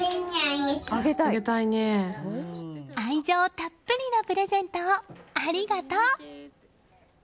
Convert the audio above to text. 愛情たっぷりのプレゼントをありがとう！